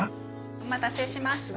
お待たせしました。